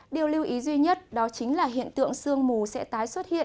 điều lưu ý duy nhất đó chính là hiện tượng sương mù sẽ tái xuất hiện